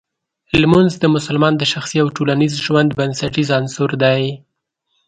لمونځ د مسلمان د شخصي او ټولنیز ژوند بنسټیز عنصر دی.